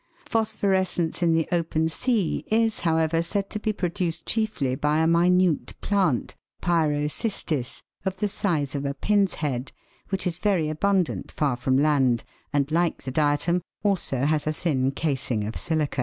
Phosphorescence in the open sea is, however, said to be produced chiefly by a minute plant (Pyroristis) of the [size of a pin's head, which is very abundant far from land and, like the diatom, also has a thin casing of silica.